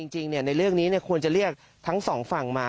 ในเรื่องนี้ควรจะเรียกทั้งสองฝั่งมา